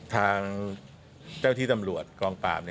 ทางเจ้าที่ตำรวจกองปราบ